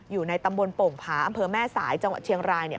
อยู่ในตำบลโป่งผาอำเภอแม่สายจังหวัดเชียงรายเนี่ย